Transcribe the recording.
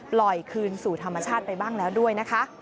ปล่อยคืนสู่ธรรมชาติไปบ้างแล้วด้วยนะคะ